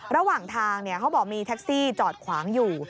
ระหว่างทางเขาบอกมีแท็กซี่จอดขวางอยู่